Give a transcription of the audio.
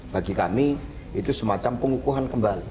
bagi kami itu semacam pengukuhan kembali